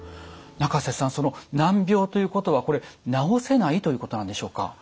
仲瀬さんその難病ということはこれ治せないということなんでしょうか？